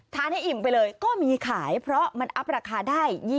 ให้อิ่มไปเลยก็มีขายเพราะมันอัพราคาได้